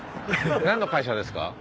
なんの会社ですか？